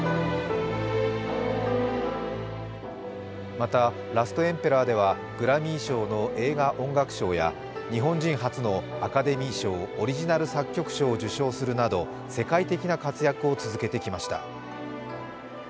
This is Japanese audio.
また「ラストエンペラー」ではグラミー賞の映画音楽賞や日本人初のアカデミー賞・オリジナル作曲賞を受賞するなど、世界的な活躍を続けてきました。